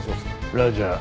ラジャー。